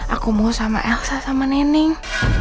aku mau sama elsa sama nening